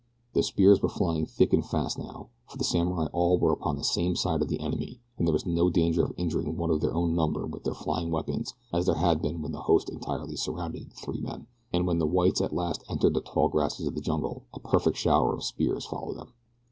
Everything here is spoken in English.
The spears were flying thick and fast now, for the samurai all were upon the same side of the enemy and there was no danger of injuring one of their own number with their flying weapons as there had been when the host entirely surrounded the three men, and when the whites at last entered the tall grasses of the jungle a perfect shower of spears followed them.